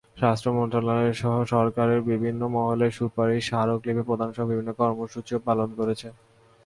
স্বাস্থ্য মন্ত্রণালয়সহ সরকারের বিভিন্ন মহলে সুপারিশ, স্মারকলিপি প্রদানসহ বিভিন্ন কর্মসূচিও পালন করেছে।